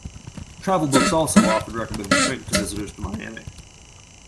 Travel books also often recommend the drink to visitors to Miami.